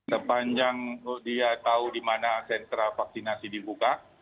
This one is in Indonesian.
sepanjang dia tahu di mana sentra vaksinasi dibuka